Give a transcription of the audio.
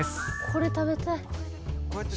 これ食べたい。